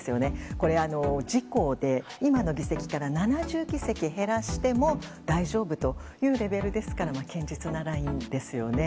自公で、今の議席から７０議席減らしても大丈夫というレベルですから堅実なラインですよね。